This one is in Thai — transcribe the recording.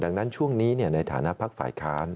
ดังนั้นช่วงนี้ในฐานะพักฝ่ายค้าน